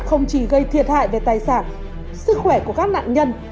không chỉ gây thiệt hại về tài sản sức khỏe của các nạn nhân